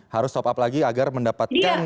harus top up lagi agar mendapatkan